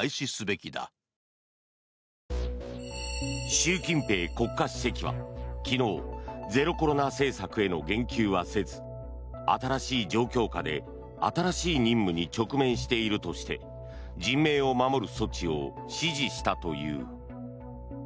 習近平国家主席は昨日ゼロコロナ政策への言及はせず新しい状況下で新しい任務に直面しているとして人命を守る措置を指示したという。